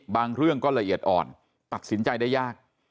บางเรื่องก็ละเอียดอ่อนตัดสินใจได้ยาก